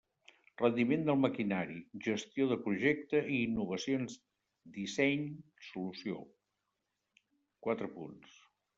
Rendiment del maquinari, Gestió de projecte i Innovacions disseny solució: quatre punts.